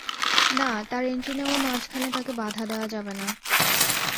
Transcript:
না, তার এন্ট্রি নেওয়ার মাঝখানে তাকে বাধা দেয়া যাবে না।